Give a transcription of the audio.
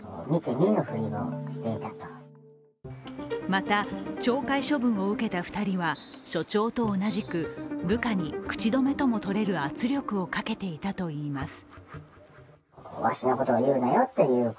また懲戒処分を受けた２人は署長と同じく部下に口止めともとれる圧力をかけていたといいます。